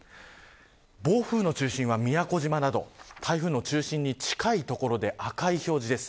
暴風の中心は宮古島など台風の中心に近い所で赤い表示です。